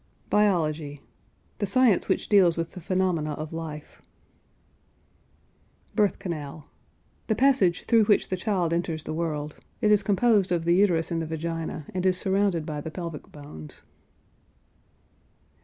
BIOLOGY. The science which deals with the phenomena of life. BIRTH CANAL. The passage through which the child enters the world. It is composed of the uterus and the vagina, and is surrounded by the pelvic bones.